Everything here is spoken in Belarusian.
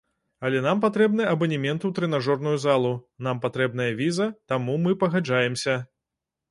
Але нам патрэбны абанемент у трэнажорную залу, нам патрэбная віза, таму мы пагаджаемся.